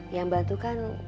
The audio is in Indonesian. yang bantu kan